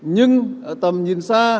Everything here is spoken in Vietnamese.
nhưng ở tầm nhìn xa